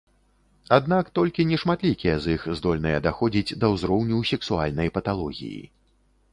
Аднак толькі нешматлікія з іх здольныя даходзіць да ўзроўню сексуальнай паталогіі.